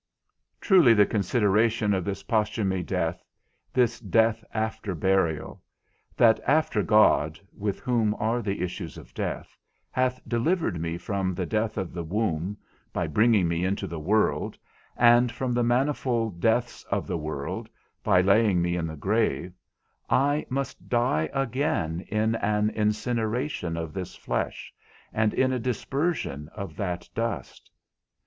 Truly the consideration of this posthume death, this death after burial, that after God (with whom are the issues of death) hath delivered me from the death of the womb, by bringing me into the world, and from the manifold deaths of the world, by laying me in the grave, I must die again in an incineration of this flesh, and in a dispersion of that dust.